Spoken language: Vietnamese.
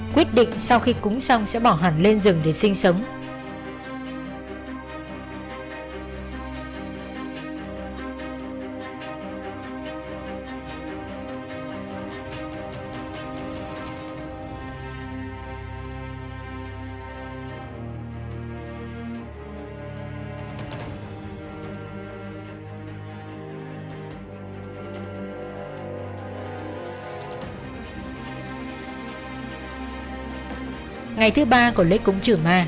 quyết định sau khi cúng xong sẽ bỏ hẳn lên rừng để sinh sống